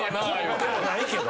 こうでもないけど。